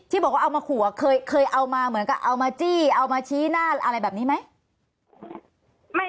บอกว่าเอามาขู่เคยเอามาเหมือนกับเอามาจี้เอามาชี้หน้าอะไรแบบนี้ไหม